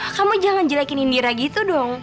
kamu jangan jelekin indira gitu dong